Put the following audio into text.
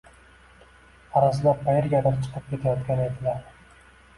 Arazlab, qayergadir chiqib ketgan edilar.